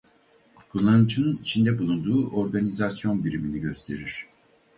Kullanıcının içinde bulunduğu organizasyon birimini gösterir.